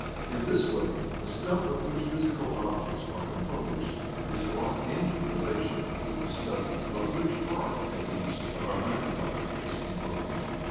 In this way the stuff of which physical objects are composed is brought into relation with the stuff of which part, at least, of our mental life is composed.